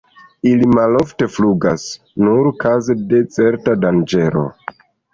Ili malofte flugas, nur kaze de certa danĝero.